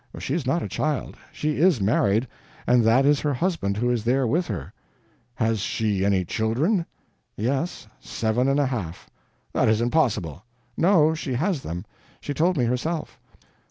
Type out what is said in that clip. "She is not a child. She is married, and that is her husband who is there with her." "Has she any children." "Yes seven and a half." "That is impossible." "No, she has them. She told me herself."